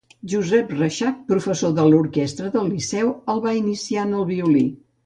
Josep Reixac, professor de l'orquestra del Liceu, el va iniciar en el violí.